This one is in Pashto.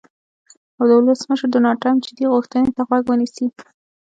او د ولسمشر ډونالډ ټرمپ "جدي غوښتنې" ته غوږ ونیسي.